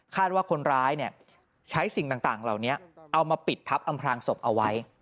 ว่าคนร้ายใช้สิ่งต่างเหล่านี้เอามาปิดทับอำพลางศพเอาไว้